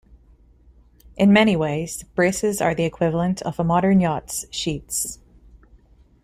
In many ways, braces are the equivalent of a modern yacht's sheets.